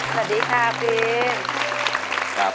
สวัสดีค่ะพีม